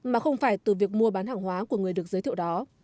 mà không phải từ việc mua bán hàng hóa của người được giới thiệu đó